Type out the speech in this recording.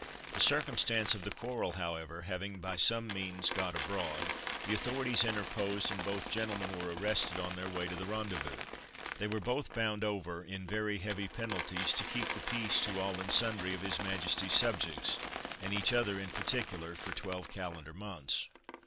The circumstance of the quarrel, however, having by some means got abroad, the authorities interposed and both gentlemen were arrested on their way to the rendezvous. They were both bound over, in very heavy penalties, to keep the peace to all and sundry of His Majesty's subjects, and each other in particular, for twelve calendar months.